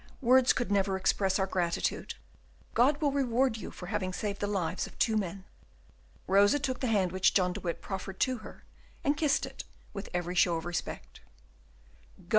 words could never express our gratitude. God will reward you for having saved the lives of two men." Rosa took the hand which John de Witt proffered to her, and kissed it with every show of respect. "Go!